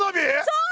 そう！